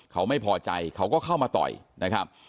เขาไม่พอใจเขาก็เข้ามาต่อยนะครับ